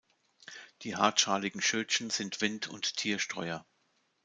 Die hartschaligen Schötchen sind Wind- und Tierstreuer.